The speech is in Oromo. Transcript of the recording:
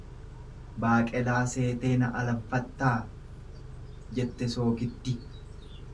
Baaqelaa seetee na alanfattaa jette soogiddi.